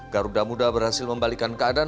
garuda muda berhasil membalikan keadaan